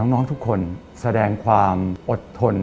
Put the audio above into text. น้องทุกคนแสดงความอดทน